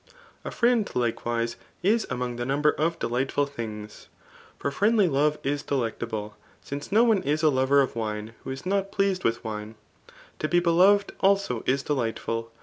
A firiend^ Kkewne, is among the number dt defightful thmgs ; for friendly love is delectable ; »nce no one h a lover of wine wh6 is riot pleased with wine^ To hi beloved, also^ h delightful.